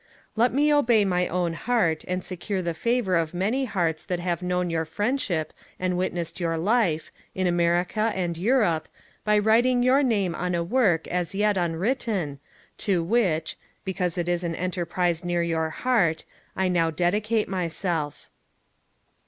Let me obey my own heart, and secure the favour of many hearts that have known your friendship and witnessed your life, in America and Europe, by writing your name on a work as yet unwritten, to which — because it is an enter prise near your heart — I now dedicate myself.''